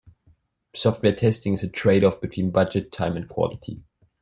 Software testing is a trade-off between budget, time and quality.